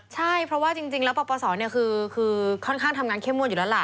ใช่เพราะว่าจริงแล้วปปศคือค่อนข้างทำงานเข้มงวดอยู่แล้วล่ะ